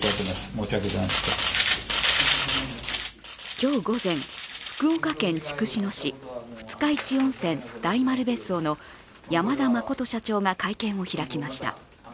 今日午前、福岡県筑紫野市、二日市温泉・大丸別荘の山田真社長が会見を開きました。